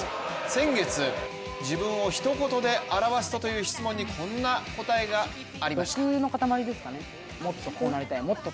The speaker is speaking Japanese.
先月、自分をひと言で表すと？という質問にこんな答えがありました。